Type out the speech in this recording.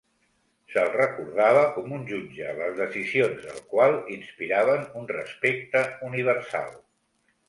Se'l recordava com un jutge les decisions del qual inspiraven un respecte universal.